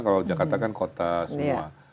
kalau jakarta kan kota semua